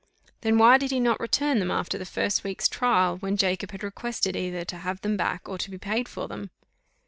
Then why did he not return them after the first week's trial, when Jacob had requested either to have them back or to be paid for them?